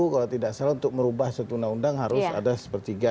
kalau tidak salah untuk merubah satu undang undang harus ada sepertiga